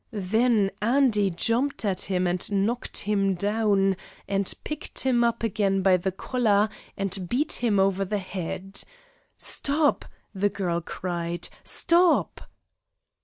Then Andy jumped at him and knocked him down, and picked him up again by the collar and beat him over the head. "Stop!" the girl cried. "Stop!"